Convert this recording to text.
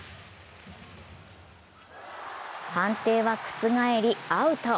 判定は覆り、アウト。